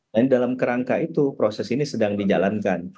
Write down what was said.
dan dalam kerangka itu proses ini sedang dijalankan